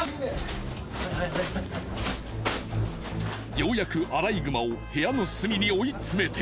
ようやくアライグマを部屋の隅に追いつめて。